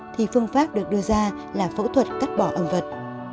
thì phương pháp được đưa ra là phẫu thuật cắt bỏ ẩm vật